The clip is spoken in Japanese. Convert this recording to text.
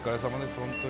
本当に。